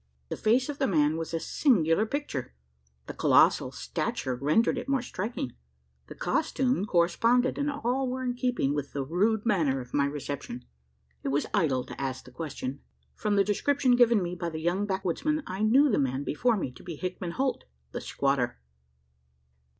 The face of the man was a singular picture; the colossal stature rendered it more striking; the costume corresponded; and all were in keeping with the rude manner of my reception. It was idle to ask the question. From the description given me by the young backwoodsman, I knew the man before me to be Hickman Holt the squatter.